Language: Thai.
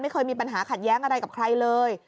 ไม่เคยมีปัญหาขัดแย้งอะไรกับใครเลย